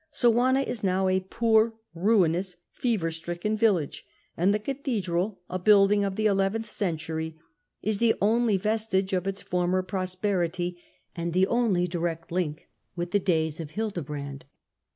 Soana is now a poor, ruinous, fever stricken village, and the cathedral, a building of the eleventh century, is the only vestige of its former prbsperity, and the only direct link with the days of Hildebrand.